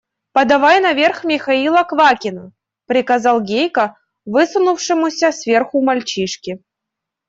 Подавай наверх Михаила Квакина! – приказал Гейка высунувшемуся сверху мальчишке.